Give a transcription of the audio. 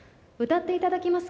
歌っていただきます